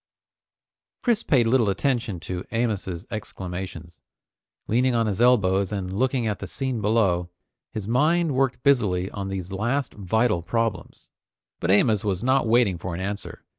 Chris paid little attention to Amos's exclamations. Leaning on his elbows and looking at the scene below, his mind worked busily on these last vital problems. But Amos was not waiting for an answer.